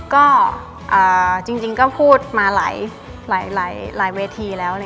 ก็จริงก็พูดมาหลายเวทีแล้ว